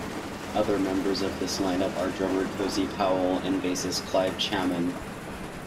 Other members of this line up are drummer Cozy Powell and bassist Clive Chaman.